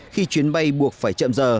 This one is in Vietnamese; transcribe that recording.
khi chuyến bay buộc phải chậm giờ